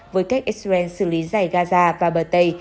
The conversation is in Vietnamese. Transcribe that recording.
với cách israel xử lý giải gaza và bờ tây